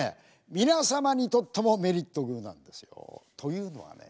皆様にとってもメリットグーなんですよ。というのはね